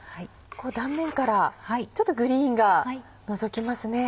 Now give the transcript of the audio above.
断面からちょっとグリーンがのぞきますね。